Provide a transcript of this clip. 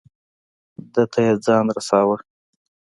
ده ته یې ځان رساو.